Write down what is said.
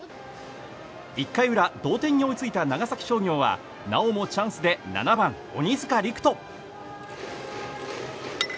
１回裏同点に追いついた長崎商業はなおもチャンスで７番鬼塚陸人。